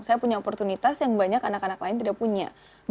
saya punya oportunitas yang banyak anak anak lain tidak punya